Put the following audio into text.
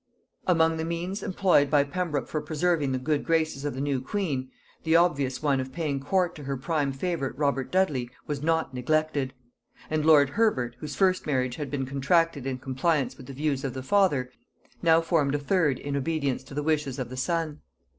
Among the means employed by Pembroke for preserving the good graces of the new queen, the obvious one of paying court to her prime favorite Robert Dudley was not neglected; and lord Herbert, whose first marriage had been contracted in compliance with the views of the father, now formed a third in obedience to the wishes of the son.